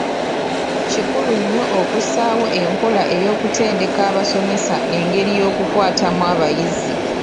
Kikulu nnyo okussaawo enkola ey’okutendeka abasomesa engeri y’okukwatamu abayizi.